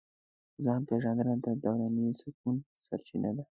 ځان پېژندنه د دروني سکون سرچینه ده.